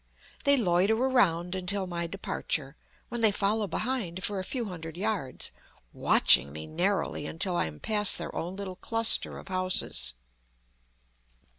They loiter around until my departure, when they follow behind for a few hundred yards, watching me narrowly until I am past their own little cluster of houses.